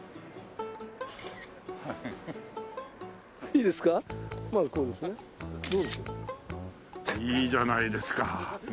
いいじゃないですかねえ。